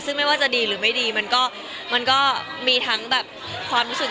ซึ่งไม่ว่าจะดีหรือไม่ดีมันก็มีทั้งแบบความรู้สึก